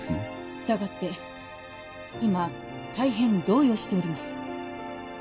従って今大変動揺しております